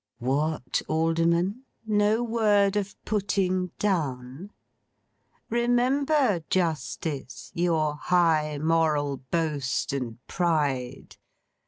What, Alderman! No word of Putting Down? Remember, Justice, your high moral boast and pride.